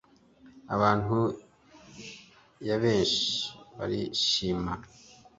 Abantu yabeshi barishima